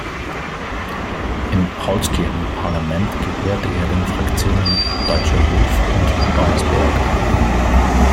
Im Paulskirchenparlament gehörte er den Fraktionen Deutscher Hof und Donnersberg an.